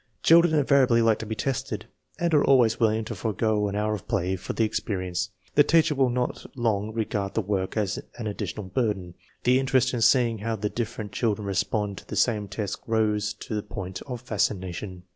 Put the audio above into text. Children invariably like to be tested, and are always willing to forego an hour of play for the experience. The teacher will not long regard the work as an additional burden. The interest in seeing how the different children respond to the same tests grows to the point of fascination.